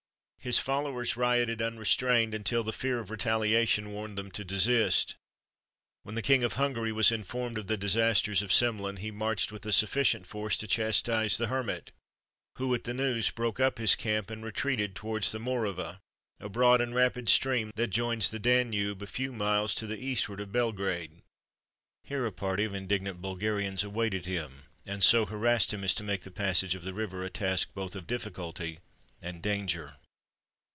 His followers rioted unrestrained, until the fear of retaliation warned them to desist. When the king of Hungary was informed of the disasters of Semlin, he marched with a sufficient force to chastise the Hermit, who, at the news, broke up his camp and retreated towards the Morava, a broad and rapid stream that joins the Danube a few miles to the eastward of Belgrade. Here a party of indignant Bulgarians awaited him, and so harassed him, as to make the passage of the river a task both of difficulty and danger.